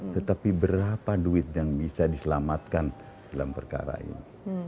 tetapi berapa duit yang bisa diselamatkan dalam perkara ini